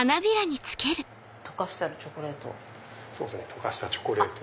溶かしたチョコレート。